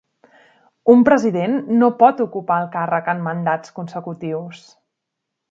Un president no pot ocupar el càrrec en mandats consecutius.